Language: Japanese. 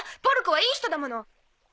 ポルコはいい人だもの！